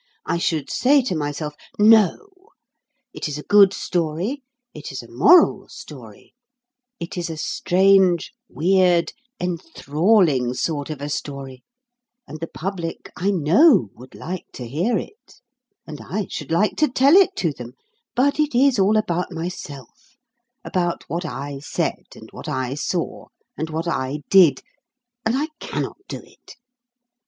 I should say to myself, "No! It is a good story, it is a moral story, it is a strange, weird, enthralling sort of a story; and the public, I know, would like to hear it; and I should like to tell it to them; but it is all about myself about what I said, and what I saw, and what I did, and I cannot do it.